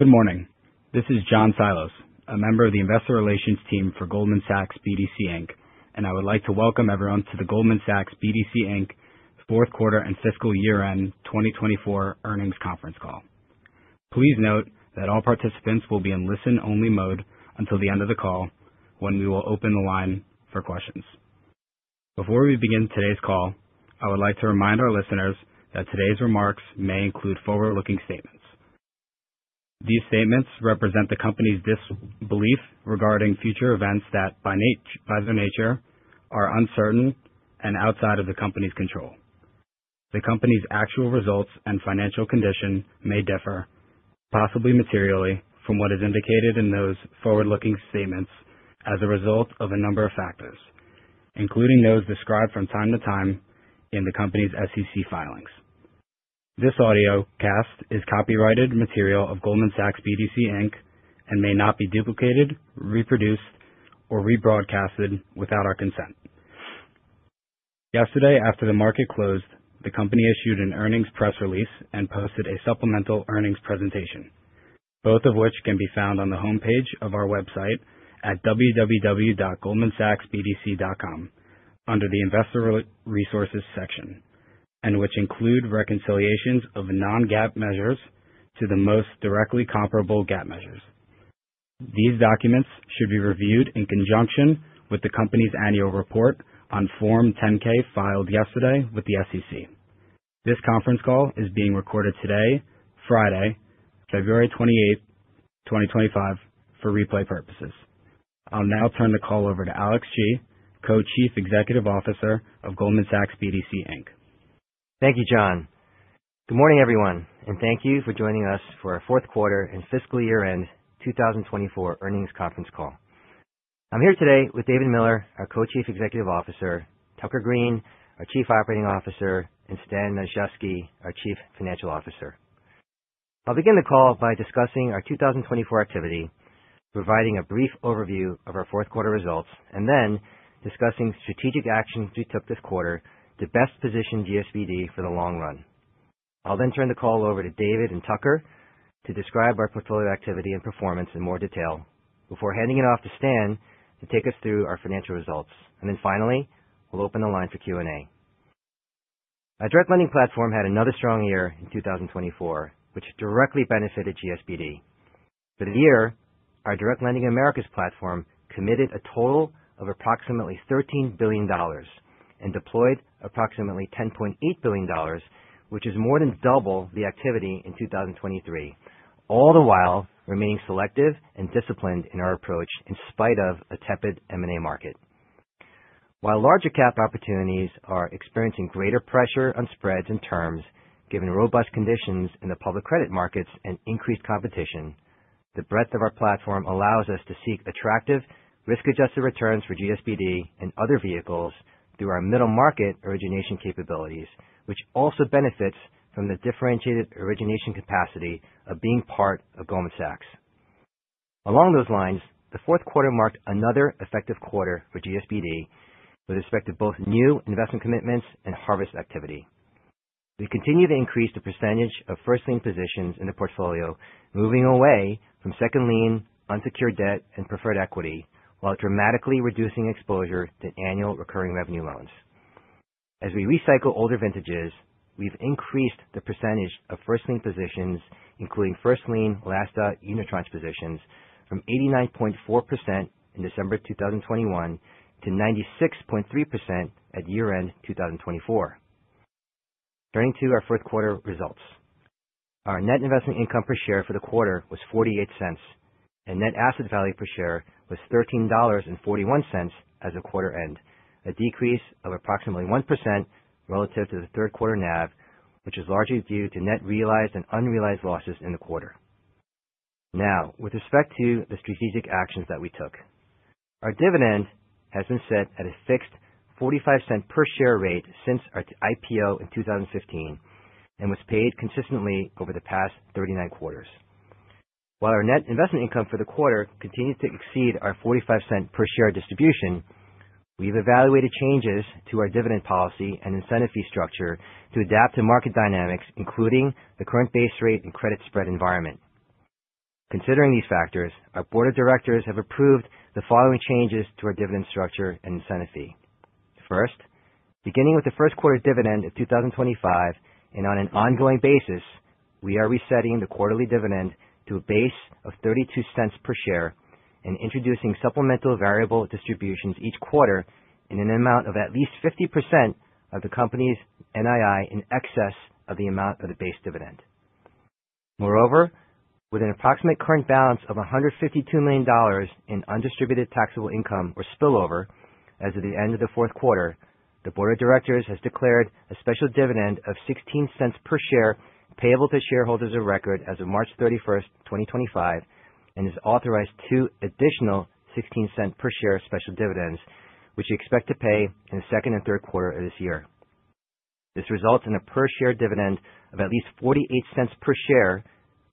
Good morning. This is John Silas, a member of the investor relations team for Goldman Sachs BDC Inc., and I would like to welcome everyone to the Goldman Sachs BDC Inc. fourth quarter and fiscal year end 2024 earnings conference call. Please note that all participants will be in listen-only mode until the end of the call, when we will open the line for questions. Before we begin today's call, I would like to remind our listeners that today's remarks may include forward-looking statements. These statements represent the company's belief regarding future events that, by their nature, are uncertain and outside of the company's control. The company's actual results and financial condition may differ, possibly materially, from what is indicated in those forward-looking statements as a result of a number of factors, including those described from time to time in the company's SEC filings. This audio cast is copyrighted material of Goldman Sachs BDC Inc. and may not be duplicated, reproduced, or rebroadcasted without our consent. Yesterday, after the market closed, the company issued an earnings press release and posted a supplemental earnings presentation, both of which can be found on the homepage of our website at www.goldmansachsbdc.com under the investor resources section, and which include reconciliations of Non-GAAP measures to the most directly comparable GAAP measures. These documents should be reviewed in conjunction with the company's annual report on Form 10-K filed yesterday with the SEC. This conference call is being recorded today, Friday, February 28, 2025, for replay purposes. I'll now turn the call over to Alex Shi, Co-Chief Executive Officer of Goldman Sachs BDC Inc. Thank you, John. Good morning, everyone, and thank you for joining us for our Fourth Quarter and Fiscal Year End 2024 earnings conference call. I'm here today with David Miller, our Co-Chief Executive Officer, Tucker Greene, our Chief Operating Officer, and Stan Matuszewski, our Chief Financial Officer. I'll begin the call by discussing our 2024 activity, providing a brief overview of our Fourth Quarter results, and then discussing strategic actions we took this quarter to best position GSBD for the long run. I'll then turn the call over to David and Tucker to describe our portfolio activity and performance in more detail before handing it off to Stan to take us through our financial results. Finally, we'll open the line for Q&A. Our direct lending platform had another strong year in 2024, which directly benefited GSBD. For the year, our direct lending America's platform committed a total of approximately $13 billion and deployed approximately $10.8 billion, which is more than double the activity in 2023, all the while remaining selective and disciplined in our approach in spite of a tepid M&A market. While larger cap opportunities are experiencing greater pressure on spreads and terms, given robust conditions in the public credit markets and increased competition, the breadth of our platform allows us to seek attractive, risk-adjusted returns for GSBD and other vehicles through our middle market origination capabilities, which also benefits from the differentiated origination capacity of being part of Goldman Sachs. Along those lines, the fourth quarter marked another effective quarter for GSBD with respect to both new investment commitments and harvest activity. We continue to increase the percentage of first lien positions in the portfolio, moving away from second lien, unsecured debt, and preferred equity, while dramatically reducing exposure to annual recurring revenue loans. As we recycle older vintages, we've increased the percentage of first lien positions, including first lien, last out, unitranche positions, from 89.4% in December 2021 to 96.3% at year-end 2024. Turning to our fourth quarter results, our net investment income per share for the quarter was $0.48, and net asset value per share was $13.41 as the quarter ended, a decrease of approximately 1% relative to the third quarter NAV, which is largely due to net realized and unrealized losses in the quarter. Now, with respect to the strategic actions that we took, our dividend has been set at a fixed $0.45 per share rate since our IPO in 2015 and was paid consistently over the past 39 quarters. While our net investment income for the quarter continues to exceed our $0.45 per share distribution, we've evaluated changes to our dividend policy and incentive fee structure to adapt to market dynamics, including the current base rate and credit spread environment. Considering these factors, our board of directors have approved the following changes to our dividend structure and incentive fee. First, beginning with the first quarter dividend of 2025, and on an ongoing basis, we are resetting the quarterly dividend to a base of $0.32 per share and introducing supplemental variable distributions each quarter in an amount of at least 50% of the company's NII in excess of the amount of the base dividend. Moreover, with an approximate current balance of $152 million in undistributed taxable income or spillover as of the end of the fourth quarter, the board of directors has declared a special dividend of $0.16 per share payable to shareholders of record as of March 31, 2025, and has authorized two additional $0.16 per share special dividends, which we expect to pay in the second and third quarter of this year. This results in a per share dividend of at least $0.48 per share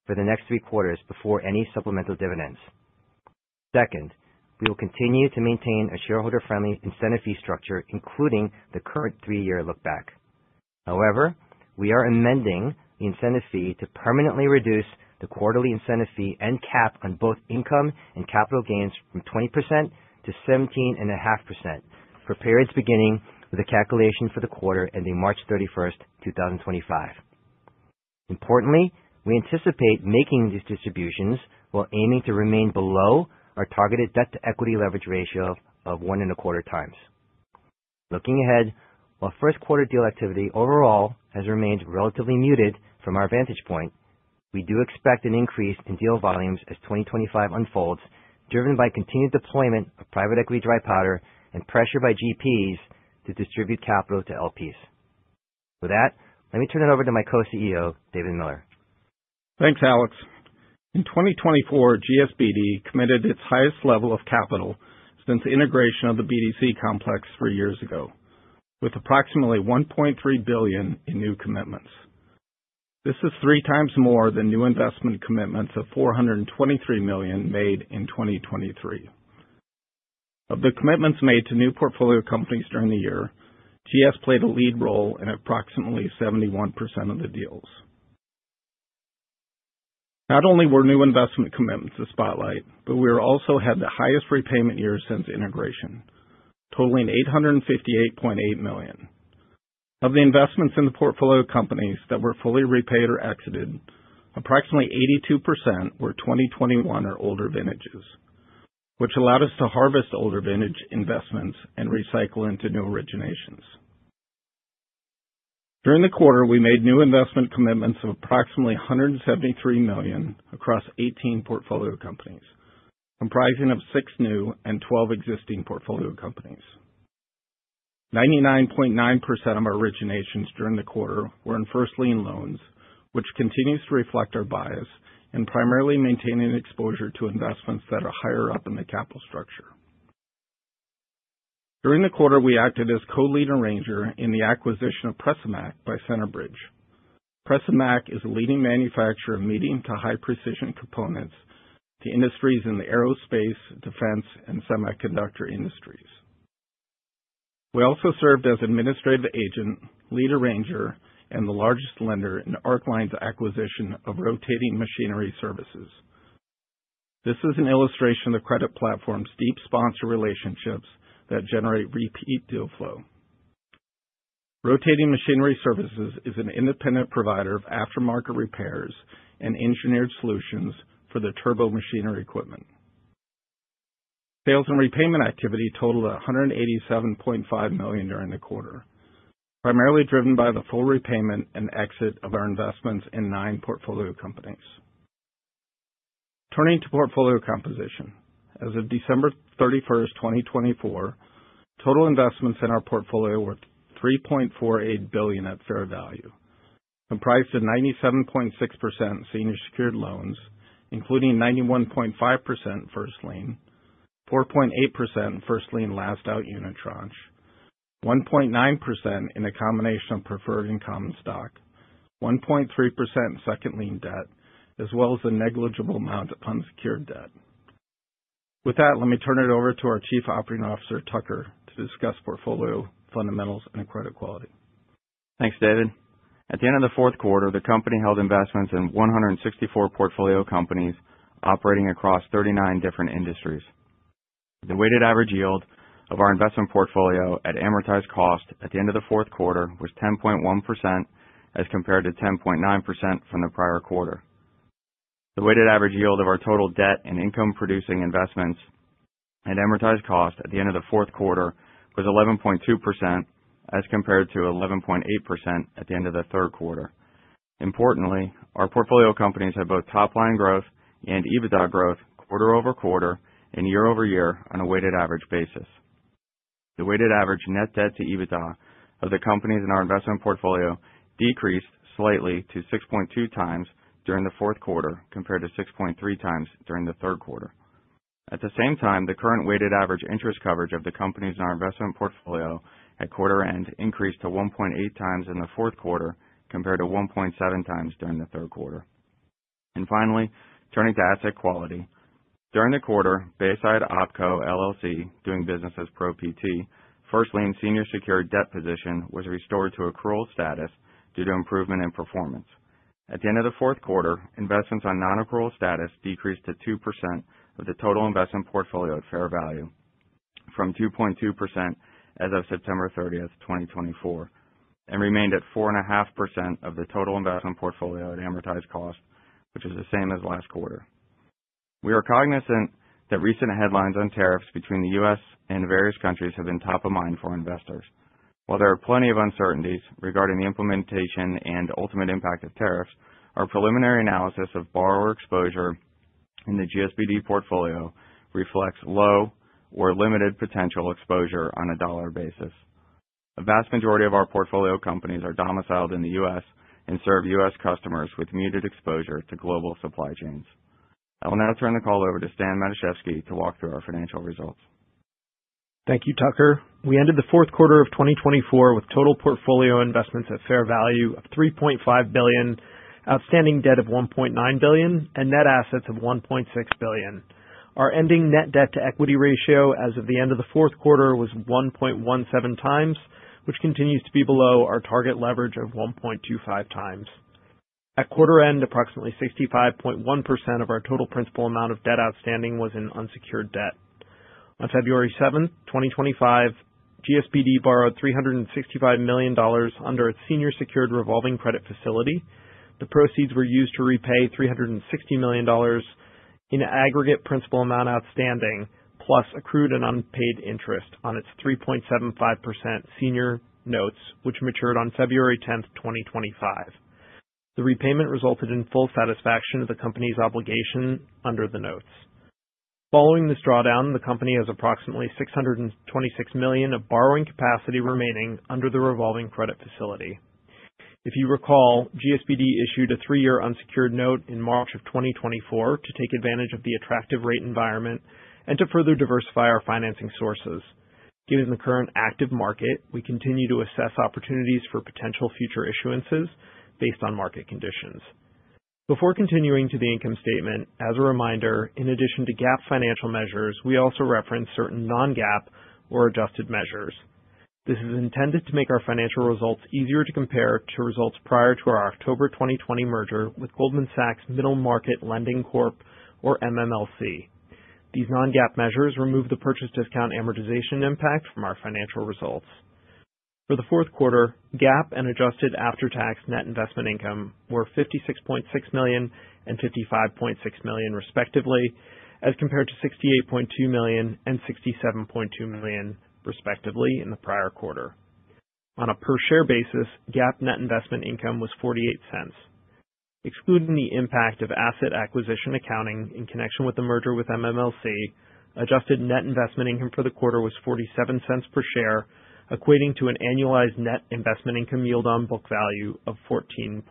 for the next three quarters before any supplemental dividends. Second, we will continue to maintain a shareholder-friendly incentive fee structure, including the current three-year lookback. However, we are amending the incentive fee to permanently reduce the quarterly incentive fee and cap on both income and capital gains from 20% to 17.5% for periods beginning with the calculation for the quarter ending March 31, 2025. Importantly, we anticipate making these distributions while aiming to remain below our targeted debt-to-equity leverage ratio of one and a quarter times. Looking ahead, while first quarter deal activity overall has remained relatively muted from our vantage point, we do expect an increase in deal volumes as 2025 unfolds, driven by continued deployment of private equity dry powder and pressure by GPs to distribute capital to LPs. With that, let me turn it over to my co-CEO, David Miller. Thanks, Alex. In 2024, GSBD committed its highest level of capital since the integration of the BDC complex three years ago, with approximately $1.3 billion in new commitments. This is three times more than new investment commitments of $423 million made in 2023. Of the commitments made to new portfolio companies during the year, GS played a lead role in approximately 71% of the deals. Not only were new investment commitments the spotlight, but we also had the highest repayment year since integration, totaling $858.8 million. Of the investments in the portfolio companies that were fully repaid or exited, approximately 82% were 2021 or older vintages, which allowed us to harvest older vintage investments and recycle into new originations. During the quarter, we made new investment commitments of approximately $173 million across 18 portfolio companies, comprising six new and 12 existing portfolio companies. 99.9% of our originations during the quarter were in first lien loans, which continues to reflect our bias and primarily maintaining exposure to investments that are higher up in the capital structure. During the quarter, we acted as co-lead and arranger in the acquisition of Pressamac by Center Bridge. Pressamac is a leading manufacturer of medium to high-precision components to industries in the aerospace, defense, and semiconductor industries. We also served as administrative agent, lead arranger, and the largest lender in Ark Lines' acquisition of Rotating Machinery Services. This is an illustration of the credit platform's deep sponsor relationships that generate repeat deal flow. Rotating Machinery Services is an independent provider of aftermarket repairs and engineered solutions for the turbo machinery equipment. Sales and repayment activity totaled $187.5 million during the quarter, primarily driven by the full repayment and exit of our investments in nine portfolio companies. Turning to portfolio composition, as of December 31, 2024, total investments in our portfolio were $3.48 billion at fair value, comprised of 97.6% senior secured loans, including 91.5% first lien, 4.8% first lien last out unitranche, 1.9% in a combination of preferred and common stock, 1.3% second lien debt, as well as a negligible amount of unsecured debt. With that, let me turn it over to our Chief Operating Officer, Tucker, to discuss portfolio fundamentals and credit quality. Thanks, David. At the end of the fourth quarter, the company held investments in 164 portfolio companies operating across 39 different industries. The weighted average yield of our investment portfolio at amortized cost at the end of the fourth quarter was 10.1% as compared to 10.9% from the prior quarter. The weighted average yield of our total debt and income-producing investments at amortized cost at the end of the fourth quarter was 11.2% as compared to 11.8% at the end of the third quarter. Importantly, our portfolio companies had both top-line growth and EBITDA growth quarter-over-quarter and year-over-year on a weighted average basis. The weighted average net debt to EBITDA of the companies in our investment portfolio decreased slightly to 6.2 times during the fourth quarter compared to 6.3 times during the third quarter. At the same time, the current weighted average interest coverage of the companies in our investment portfolio at quarter end increased to 1.8 times in the fourth quarter compared to 1.7 times during the third quarter. Finally, turning to asset quality, during the quarter, Bayside Opco, doing business as Pro PT, first lien senior secured debt position was restored to accrual status due to improvement in performance. At the end of the fourth quarter, investments on non-accrual status decreased to 2% of the total investment portfolio at fair value from 2.2% as of September 30, 2024, and remained at 4.5% of the total investment portfolio at amortized cost, which is the same as last quarter. We are cognizant that recent headlines on tariffs between the U.S. and various countries have been top of mind for investors. While there are plenty of uncertainties regarding the implementation and ultimate impact of tariffs, our preliminary analysis of borrower exposure in the GSBD portfolio reflects low or limited potential exposure on a dollar basis. A vast majority of our portfolio companies are domiciled in the U.S. and serve U.S. customers with muted exposure to global supply chains. I will now turn the call over to Stan Matuszewski to walk through our financial results. Thank you, Tucker. We ended the fourth quarter of 2024 with total portfolio investments at fair value of $3.5 billion, outstanding debt of $1.9 billion, and net assets of $1.6 billion. Our ending net debt to equity ratio as of the end of the fourth quarter was 1.17 times, which continues to be below our target leverage of 1.25 times. At quarter end, approximately 65.1% of our total principal amount of debt outstanding was in unsecured debt. On February 7th, 2025, GSBD borrowed $365 million under a senior secured revolving credit facility. The proceeds were used to repay $360 million in aggregate principal amount outstanding, plus accrued and unpaid interest on its 3.75% senior notes, which matured on February 10th, 2025. The repayment resulted in full satisfaction of the company's obligation under the notes. Following this drawdown, the company has approximately $626 million of borrowing capacity remaining under the revolving credit facility. If you recall, GSBD issued a three-year unsecured note in March of 2024 to take advantage of the attractive rate environment and to further diversify our financing sources. Given the current active market, we continue to assess opportunities for potential future issuances based on market conditions. Before continuing to the income statement, as a reminder, in addition to GAAP financial measures, we also reference certain Non-GAAP or adjusted measures. This is intended to make our financial results easier to compare to results prior to our October 2020 merger with Goldman Sachs Middle Market Lending Corp, or MMLC. These Non-GAAP measures remove the purchase discount amortization impact from our financial results. For the fourth quarter, GAAP and adjusted after-tax net investment income were $56.6 million and $55.6 million, respectively, as compared to $68.2 million and $67.2 million, respectively, in the prior quarter. On a per-share basis, GAAP net investment income was $0.48. Excluding the impact of asset acquisition accounting in connection with the merger with MMLC, adjusted net investment income for the quarter was $0.47 per share, equating to an annualized net investment income yield on book value of 14.0%.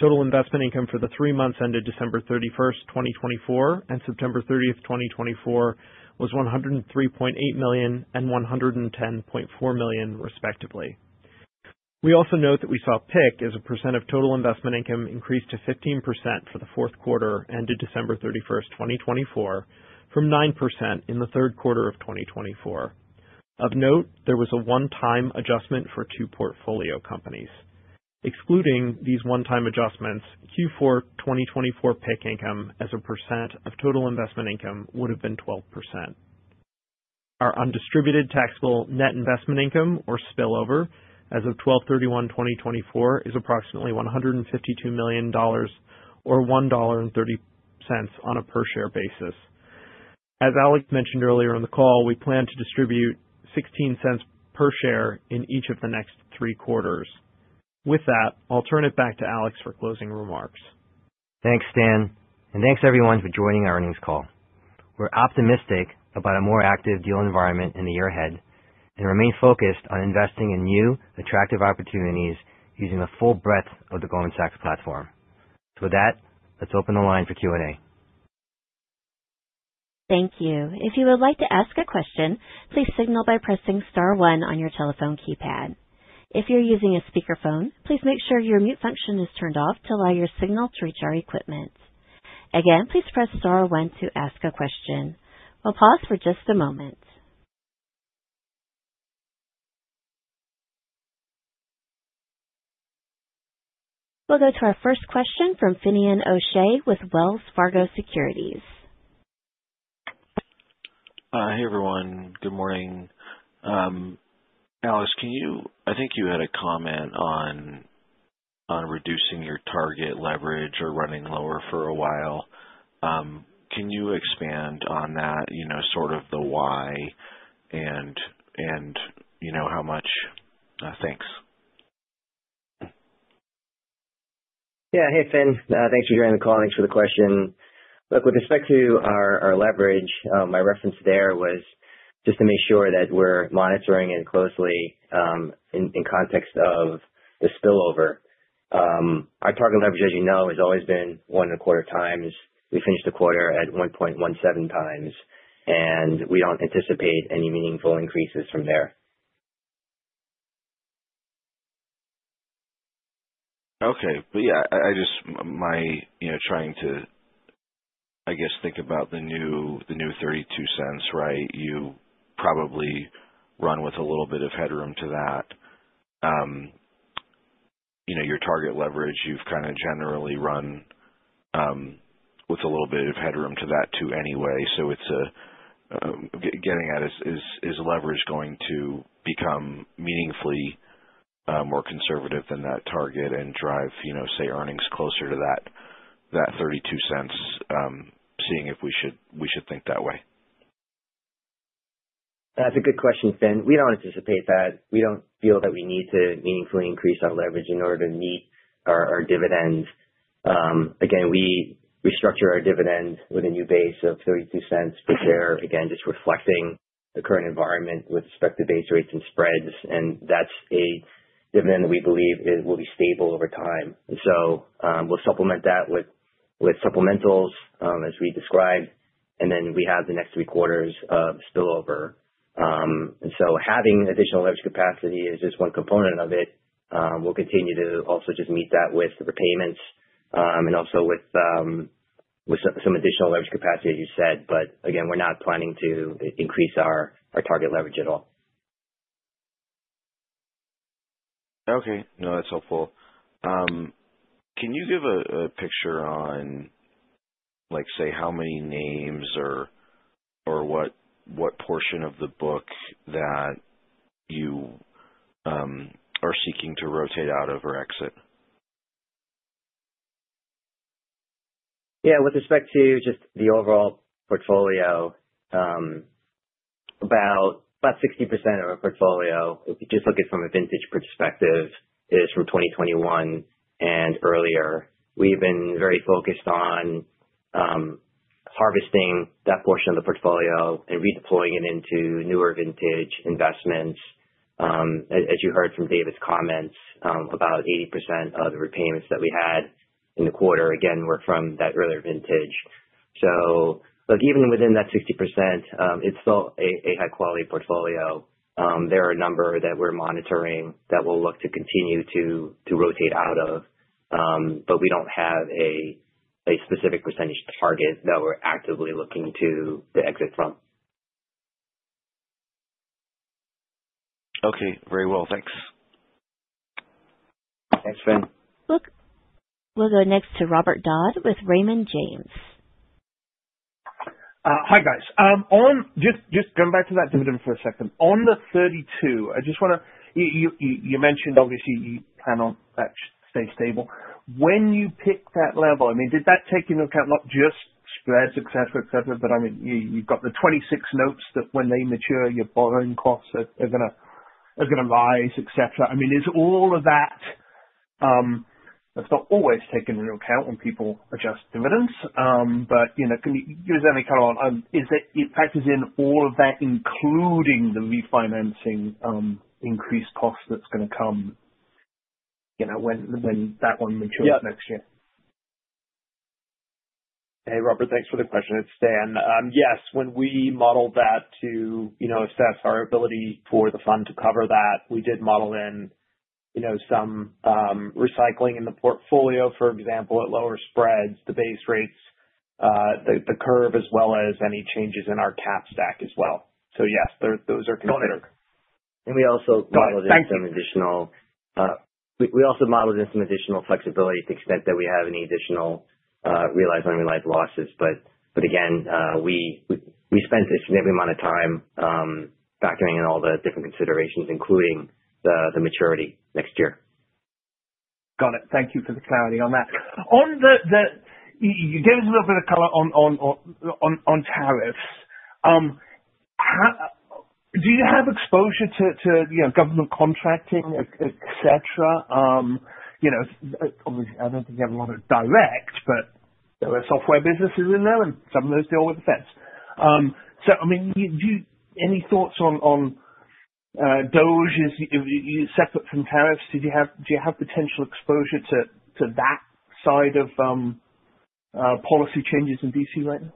Total investment income for the three months ended December 31, 2024, and September 30, 2024, was $103.8 million and $110.4 million, respectively. We also note that we saw PIC as a percent of total investment income increase to 15% for the fourth quarter ended December 31, 2024, from 9% in the third quarter of 2024. Of note, there was a one-time adjustment for two portfolio companies. Excluding these one-time adjustments, Q4 2024 PIC income as a percent of total investment income would have been 12%. Our undistributed taxable net investment income, or spillover, as of 12/31/2024, is approximately $152 million or $1.30 on a per-share basis. As Alex mentioned earlier in the call, we plan to distribute $0.16 per share in each of the next three quarters. With that, I'll turn it back to Alex for closing remarks. Thanks, Stan, and thanks everyone for joining our earnings call. We're optimistic about a more active deal environment in the year ahead and remain focused on investing in new attractive opportunities using the full breadth of the Goldman Sachs platform. With that, let's open the line for Q&A. Thank you. If you would like to ask a question, please signal by pressing Star one on your telephone keypad. If you're using a speakerphone, please make sure your mute function is turned off to allow your signal to reach our equipment. Again, please press Star one to ask a question. We'll pause for just a moment. We'll go to our first question from Finian O'Shea with Wells Fargo Securities. Hey, everyone. Good morning. Alex, can you—I think you had a comment on reducing your target leverage or running lower for a while. Can you expand on that, sort of the why and how much? Thanks. Yeah. Hey, Finn. Thanks for joining the call. Thanks for the question. Look, with respect to our leverage, my reference there was just to make sure that we're monitoring it closely in context of the spillover. Our target leverage, as you know, has always been one and a quarter times. We finished the quarter at 1.17 times, and we do not anticipate any meaningful increases from there. Okay. I just—my trying to, I guess, think about the new $0.32, right? You probably run with a little bit of headroom to that. Your target leverage, you've kind of generally run with a little bit of headroom to that too anyway. It is getting at, is leverage going to become meaningfully more conservative than that target and drive, say, earnings closer to that $0.32? Seeing if we should think that way. That's a good question, Finn. We don't anticipate that. We don't feel that we need to meaningfully increase our leverage in order to meet our dividend. Again, we restructured our dividend with a new base of $0.32 per share, again, just reflecting the current environment with respect to base rates and spreads. That's a dividend that we believe will be stable over time. We will supplement that with supplementals, as we described. We have the next three quarters of spillover. Having additional leverage capacity is just one component of it. We will continue to also just meet that with the repayments and also with some additional leverage capacity, as you said. Again, we're not planning to increase our target leverage at all. Okay. No, that's helpful. Can you give a picture on, say, how many names or what portion of the book that you are seeking to rotate out of or exit? Yeah. With respect to just the overall portfolio, about 60% of our portfolio, if you just look at it from a vintage perspective, is from 2021 and earlier. We've been very focused on harvesting that portion of the portfolio and redeploying it into newer vintage investments. As you heard from David's comments, about 80% of the repayments that we had in the quarter, again, were from that earlier vintage. Look, even within that 60%, it's still a high-quality portfolio. There are a number that we're monitoring that we'll look to continue to rotate out of, but we don't have a specific percentage target that we're actively looking to exit from. Okay. Very well. Thanks. Thanks, Finn. Look, we'll go next to Robert Dodd with Raymond James. Hi, guys. Just going back to that dividend for a second. On the $0.32, I just want to—you mentioned, obviously, you plan on that to stay stable. When you pick that level, I mean, did that take into account not just spreads, etc., etc., but I mean, you've got the 26 notes that when they mature, your borrowing costs are going to rise, etc.? I mean, is all of that—that's not always taken into account when people adjust dividends, but can you give us any kind of—is that factors in all of that, including the refinancing increase cost that's going to come when that one matures next year? Yeah. Hey, Robert, thanks for the question. It's Stan. Yes, when we modeled that to assess our ability for the fund to cover that, we did model in some recycling in the portfolio, for example, at lower spreads, the base rates, the curve, as well as any changes in our cap stack as well. Yes, those are considered. We also modeled in some additional flexibility to the extent that we have any additional realized unrealized losses. Again, we spent a significant amount of time factoring in all the different considerations, including the maturity next year. Got it. Thank you for the clarity on that. You gave us a little bit of color on tariffs. Do you have exposure to government contracting, etc.? Obviously, I do not think you have a lot of direct, but there are software businesses in there, and some of those deal with the Feds. I mean, any thoughts on DOGE separate from tariffs? Do you have potential exposure to that side of policy changes in DC right now?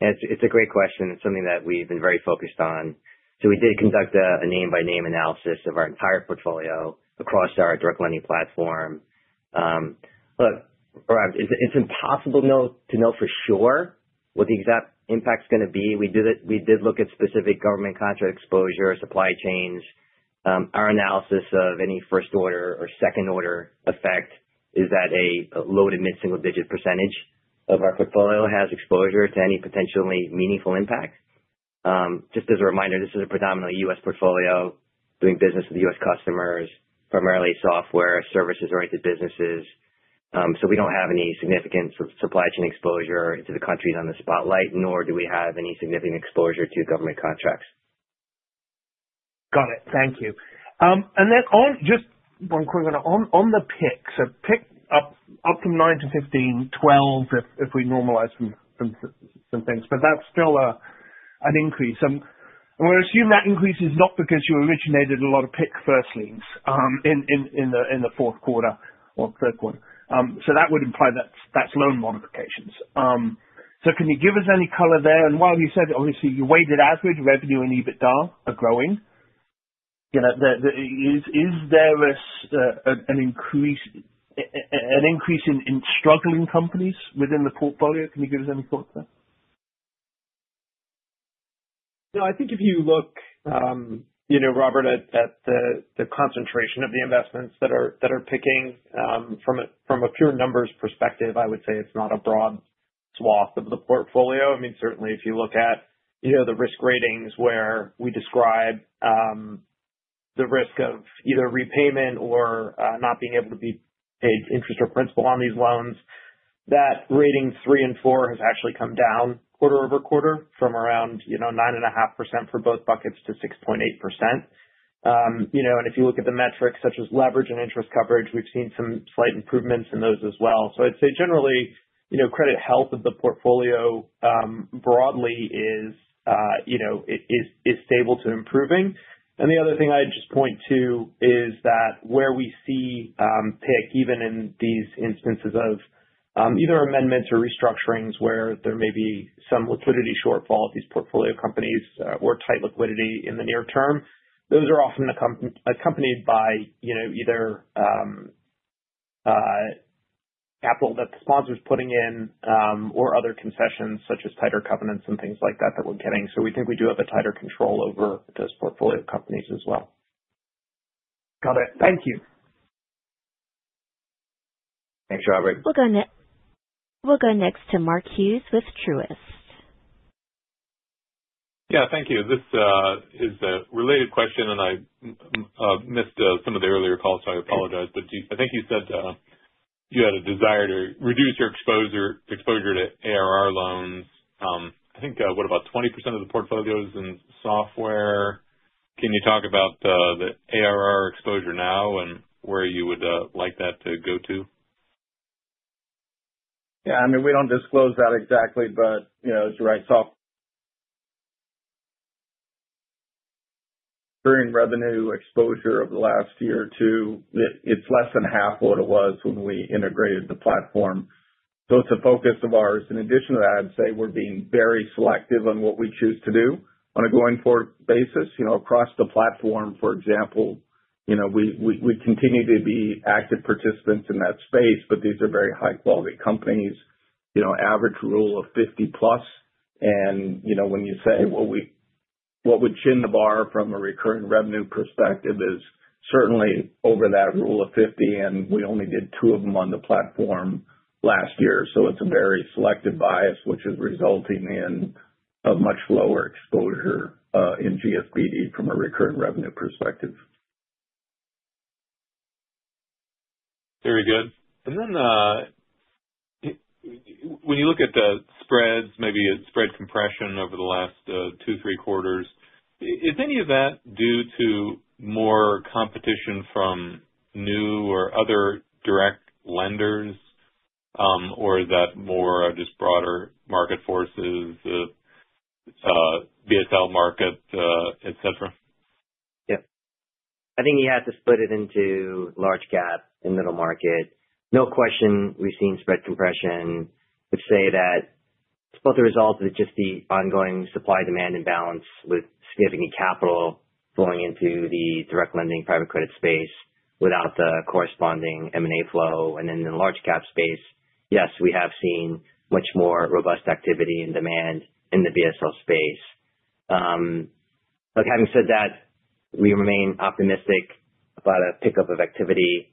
Yeah. It's a great question. It's something that we've been very focused on. We did conduct a name-by-name analysis of our entire portfolio across our direct lending platform. Look, it's impossible to know for sure what the exact impact's going to be. We did look at specific government contract exposure, supply chains. Our analysis of any first-order or second-order effect is that a low to mid-single-digit percentage of our portfolio has exposure to any potentially meaningful impact. Just as a reminder, this is a predominantly U.S. portfolio doing business with U.S. customers, primarily software or services-oriented businesses. We don't have any significant supply chain exposure into the countries on the spotlight, nor do we have any significant exposure to government contracts. Got it. Thank you. Just one quick one. On the PIC, so PIC up from 9 to 15, 12 if we normalize some things, but that's still an increase. We'll assume that increase is not because you originated a lot of PIC firstly in the fourth quarter or third quarter. That would imply that's loan modifications. Can you give us any color there? While you said, obviously, your weighted average revenue and EBITDA are growing, is there an increase in struggling companies within the portfolio? Can you give us any thoughts there? Yeah. I think if you look, Robert, at the concentration of the investments that are PICing from a pure numbers perspective, I would say it's not a broad swath of the portfolio. I mean, certainly, if you look at the risk ratings where we describe the risk of either repayment or not being able to be paid interest or principal on these loans, that rating three and four has actually come down quarter-over-quarter from around 9.5% for both buckets to 6.8%. If you look at the metrics such as leverage and interest coverage, we've seen some slight improvements in those as well. I'd say, generally, credit health of the portfolio broadly is stable to improving. The other thing I'd just point to is that where we see PIC, even in these instances of either amendments or restructurings where there may be some liquidity shortfall at these portfolio companies or tight liquidity in the near term, those are often accompanied by either capital that the sponsor's putting in or other concessions such as tighter covenants and things like that that we're getting. We think we do have a tighter control over those portfolio companies as well. Got it. Thank you. Thanks, Robert. We'll go next to Mark Hughes with Truist. Yeah. Thank you. This is a related question, and I missed some of the earlier calls, so I apologize. I think you said you had a desire to reduce your exposure to ARR loans. I think what, about 20% of the portfolio is in software. Can you talk about the ARR exposure now and where you would like that to go to? Yeah. I mean, we don't disclose that exactly, but as you're right, software revenue exposure over the last year or two, it's less than half of what it was when we integrated the platform. So it's a focus of ours. In addition to that, I'd say we're being very selective on what we choose to do on a going-forward basis. Across the platform, for example, we continue to be active participants in that space, but these are very high-quality companies, average rule of 50+. When you say, "Well, what would chin the bar from a recurring revenue perspective?" is certainly over that rule of 50, and we only did two of them on the platform last year. It's a very selective bias, which is resulting in a much lower exposure in GSBD from a recurring revenue perspective. Very good. When you look at the spreads, maybe spread compression over the last two, three quarters, is any of that due to more competition from new or other direct lenders, or is that more just broader market forces, BSL market, etc.? Yep. I think you have to split it into large cap and middle market. No question, we've seen spread compression. I'd say that it's both a result of just the ongoing supply-demand imbalance with significant capital flowing into the direct lending private credit space without the corresponding M&A flow. In the large cap space, yes, we have seen much more robust activity and demand in the BSL space. Look, having said that, we remain optimistic about a pickup of activity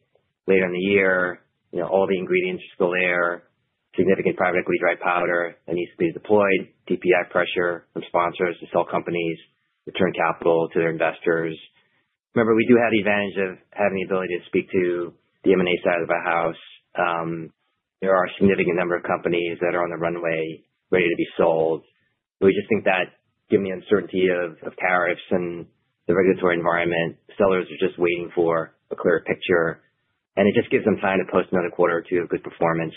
later in the year. All the ingredients are still there. Significant private equity dry powder that needs to be deployed, DPI pressure from sponsors to sell companies, return capital to their investors. Remember, we do have the advantage of having the ability to speak to the M&A side of the house. There are a significant number of companies that are on the runway, ready to be sold. We just think that given the uncertainty of tariffs and the regulatory environment, sellers are just waiting for a clearer picture. It just gives them time to post another quarter or two of good performance,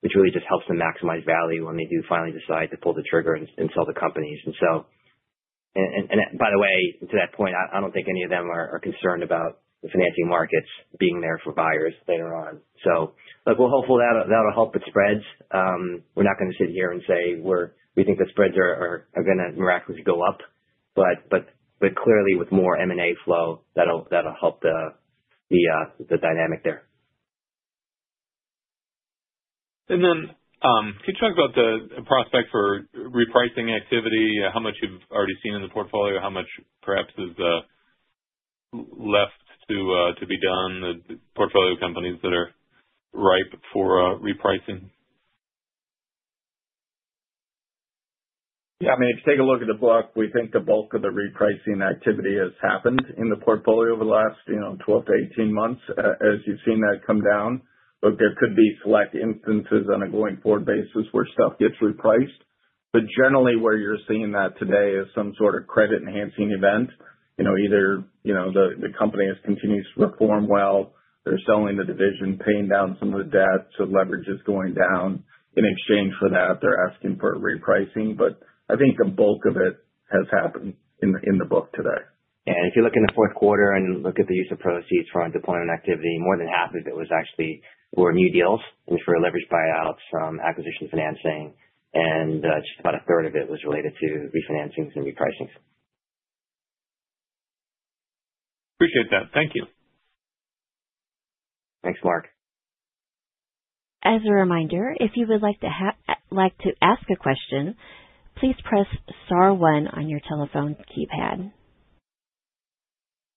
which really just helps them maximize value when they do finally decide to pull the trigger and sell the companies. By the way, to that point, I do not think any of them are concerned about the financing markets being there for buyers later on. Look, hopefully that will help with spreads. We are not going to sit here and say we think the spreads are going to miraculously go up. Clearly, with more M&A flow, that will help the dynamic there. Can you talk about the prospect for repricing activity? How much you've already seen in the portfolio? How much perhaps is left to be done? The portfolio companies that are ripe for repricing? Yeah. I mean, if you take a look at the book, we think the bulk of the repricing activity has happened in the portfolio over the last 12-18 months, as you've seen that come down. Look, there could be select instances on a going-forward basis where stuff gets repriced. Generally, where you're seeing that today is some sort of credit-enhancing event. Either the company has continued to perform well, they're selling the division, paying down some of the debt, so leverage is going down. In exchange for that, they're asking for repricing. I think the bulk of it has happened in the book today. Yeah. If you look in the fourth quarter and look at the use of proceeds from deployment activity, more than half of it was actually new deals for leveraged buyouts, acquisition financing, and just about a third of it was related to refinancings and repricings. Appreciate that. Thank you. Thanks, Mark. As a reminder, if you would like to ask a question, please press star one on your telephone keypad.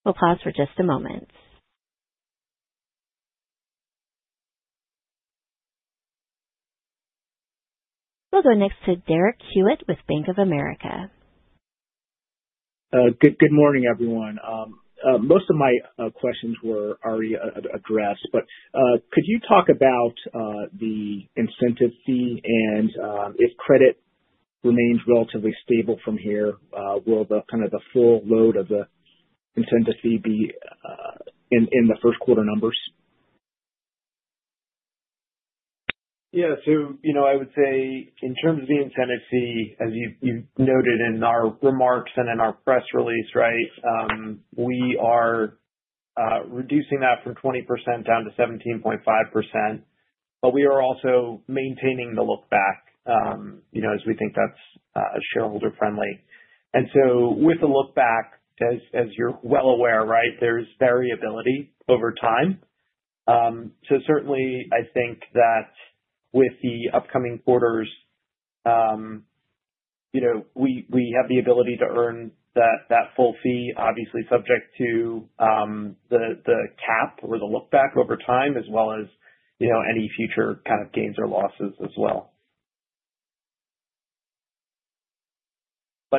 We'll pause for just a moment. We'll go next to Derek Hewett with Bank of America. Good morning, everyone. Most of my questions were already addressed, but could you talk about the incentive fee and if credit remains relatively stable from here, will kind of the full load of the incentive fee be in the first quarter numbers? Yeah. I would say in terms of the incentive fee, as you've noted in our remarks and in our press release, we are reducing that from 20% down to 17.5%, but we are also maintaining the look-back as we think that's shareholder-friendly. With the look-back, as you're well aware, there's variability over time. Certainly, I think that with the upcoming quarters, we have the ability to earn that full fee, obviously subject to the cap or the look-back over time, as well as any future kind of gains or losses as well.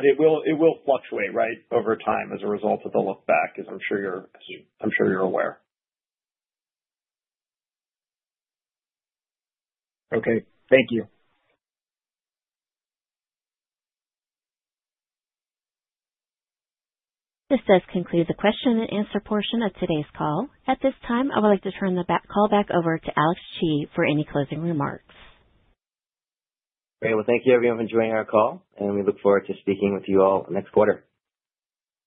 It will fluctuate over time as a result of the look-back, as I'm sure you're aware. Okay. Thank you. This does conclude the question-and-answer portion of today's call. At this time, I would like to turn the call back over to Alex Chi for any closing remarks. Thank you, everyone, for joining our call, and we look forward to speaking with you all next quarter.